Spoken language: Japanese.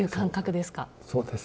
そうですね。